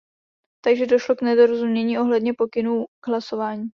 Takže došlo k nedorozumění ohledně pokynů k hlasování.